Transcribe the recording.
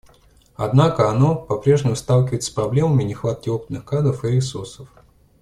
Однако оно по-прежнему сталкивается с проблемами нехватки опытных кадров и ресурсов.